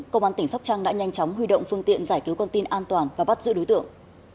công an tỉnh sóc trăng đã nhanh chóng huy động phương tiện giải cứu con tin an toàn và bắt giữ đối tượng